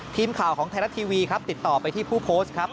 ทีมข่าวของไทยรัฐทีวีครับติดต่อไปที่ผู้โพสต์ครับ